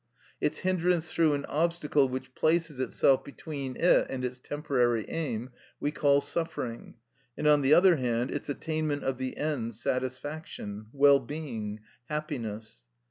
Its hindrance through an obstacle which places itself between it and its temporary aim we call suffering, and, on the other hand, its attainment of the end satisfaction, wellbeing, happiness.